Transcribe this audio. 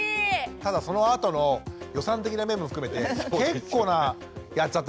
ただそのあとの予算的な面も含めて結構な「やっちゃった！」